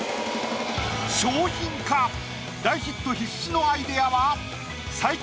大ヒット必至のアイデアは最強